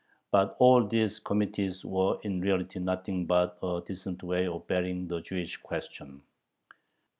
But all these committees were in reality nothing but a decent way of burying the Jewish question.